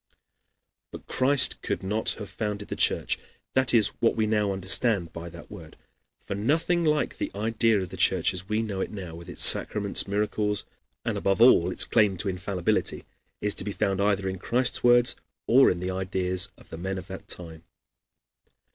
But Christ could not have founded the Church, that is, what we now understand by that word. For nothing like the idea of the Church as we know it now, with its sacraments, miracles, and above all its claim to infallibility, is to be found either in Christ's words or in the ideas of the men of that time.